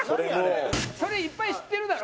それいっぱい知ってるだろ？